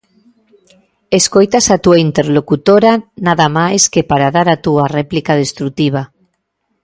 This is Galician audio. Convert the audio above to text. Escoitas a túa interlocutora nada máis que para dar a túa réplica destrutiva.